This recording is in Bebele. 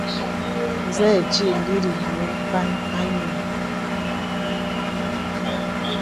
Nzə nti ǐ lìrì nyə̄ m̀pàŋ ànyìì.